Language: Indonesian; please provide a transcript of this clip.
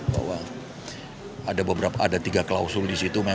bahwa ada tiga klausul di situ